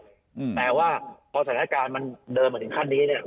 แต่ว่าพอสถานการณ์มันเดินมาถึงขั้นนี้เนี้ย